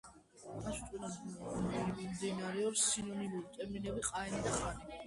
ამ სიტყვიდან მომდინარეობს სინონიმური ტერმინები „ყაენი“ და „ხანი“.